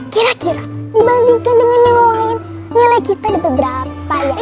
kira kira dibandingkan dengan nilain nilai kita udah berapa ya